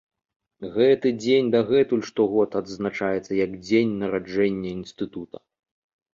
Гэты дзень дагэтуль штогод адзначаецца як дзень нараджэння інстытута.